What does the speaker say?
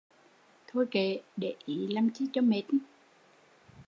Thôi kệ, để ý làm chi cho mệt